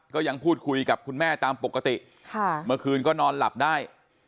ก็ยังพูดคุยกับคุณแม่ตามปกติเมื่อคืนก็นอนหลับได้